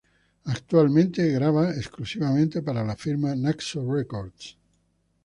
Actualmente graba exclusivamente para la firma Naxos Records.